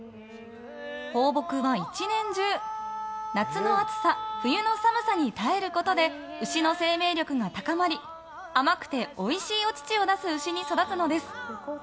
放牧は１年中、夏の暑さ冬の寒さに耐えることで牛の生命力が高まり甘くておいしいお乳を出す牛に育つのです。